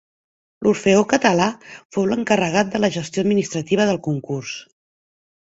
L’Orfeó Català fou l’encarregat de la gestió administrativa del concurs.